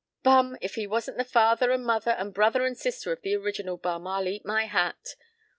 p> "Bum! If he wasn't the father and mother and brother and sister of the original bum, I'll eat my hat.